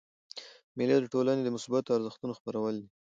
مېلې د ټولني د مثبتو ارزښتو خپرول دي.